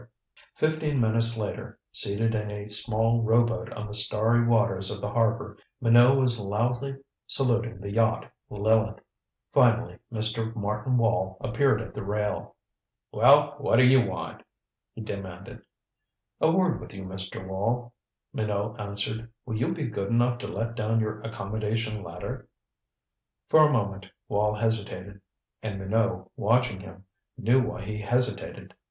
Fifteen minutes later, seated in a small rowboat on the starry waters of the harbor, Minot was loudly saluting the yacht Lileth. Finally Mr. Martin Wall appeared at the rail. "Well what d'you want?" he demanded. "A word with you, Mr. Wall," Minot answered. "Will you be good enough to let down your accommodation ladder?" For a moment Wall hesitated. And Minot, watching him, knew why he hesitated.